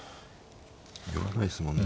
寄らないっすもんね